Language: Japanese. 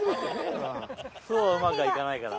そうはうまくはいかないから。